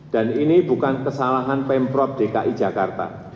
dan ini bukan kesalahan pemprov dki jakarta bukan